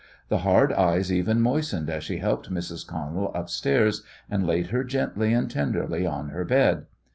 The hard eyes even moistened as she helped Mrs. Connell upstairs and laid her gently and tenderly on her bed.